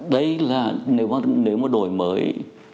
đây là nếu mà đổi mới